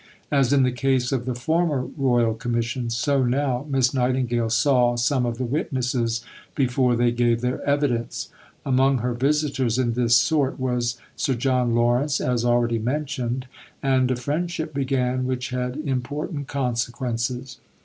As in the case of the former Royal Commission, so now Miss Nightingale saw some of the witnesses before they gave their evidence. Among her visitors in this sort was Sir John Lawrence, as already mentioned, and a friendship began which had important consequences.